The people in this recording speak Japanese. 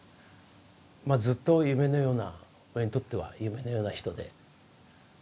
まあずっと夢のような俺にとっては夢のような人で。